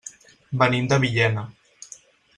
Venim de Villena.